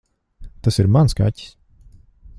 Tas ir mans kaķis.